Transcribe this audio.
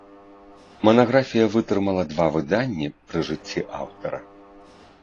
Манаграфія вытрымала два выданні пры жыцці аўтара.